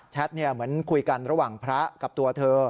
เหมือนคุยกันระหว่างพระกับตัวเธอ